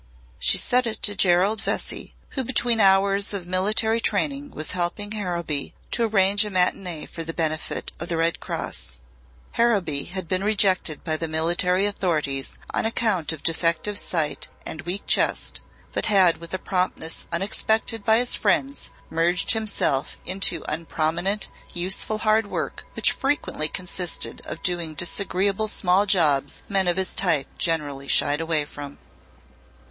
She said it to Gerald Vesey who between hours of military training was helping Harrowby to arrange a matinee for the benefit of the Red Cross. Harrowby had been rejected by the military authorities on account of defective sight and weak chest but had with a promptness unexpected by his friends merged himself into unprominent, useful hard work which frequently consisted of doing disagreeable small jobs men of his type generally shied away from.